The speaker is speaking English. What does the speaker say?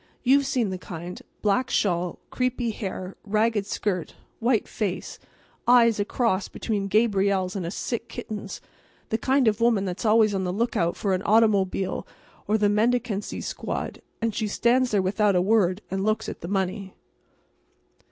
You've seen the kind—black shawl, creepy hair, ragged skirt, white face, eyes a cross between Gabriel's and a sick kitten's—the kind of woman that's always on the lookout for an automobile or the mendicancy squad—and she stands there without a word and looks at the money.